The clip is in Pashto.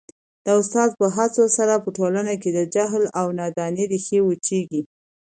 د استاد په هڅو سره په ټولنه کي د جهل او نادانۍ ریښې وچیږي.